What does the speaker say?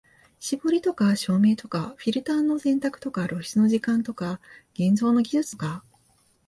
絞りとか照明とかフィルターの選択とか露出の時間とか現像の技術とか、